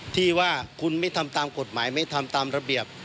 ที่ว่าคุณไม่ทำตามกฎหมายไม่ทำตามระเบียบ